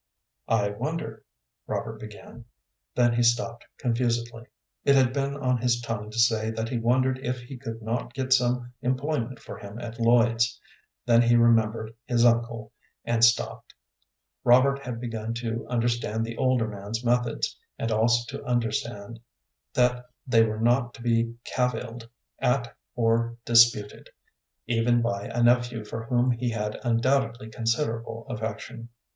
"I wonder," Robert began, then he stopped confusedly. It had been on his tongue to say that he wondered if he could not get some employment for him at Lloyd's; then he remembered his uncle, and stopped. Robert had begun to understand the older man's methods, and also to understand that they were not to be cavilled at or disputed, even by a nephew for whom he had undoubtedly considerable affection.